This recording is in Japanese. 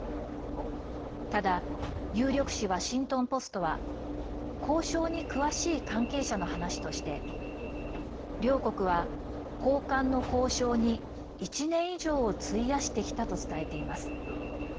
ただ有力紙ワシントン・ポストは交渉に詳しい関係者の話として両国は、交換の交渉に１年以上を費やしてきたと伝えています。